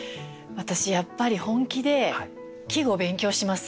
私やっぱり本気で季語勉強します。